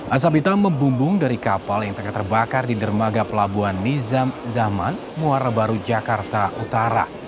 asap hitam membumbung dari kapal yang tengah terbakar di dermaga pelabuhan nizam zaman muara baru jakarta utara